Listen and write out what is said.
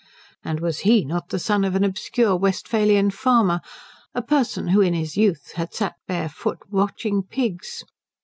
And was he not the son of an obscure Westphalian farmer, a person who in his youth had sat barefoot watching pigs?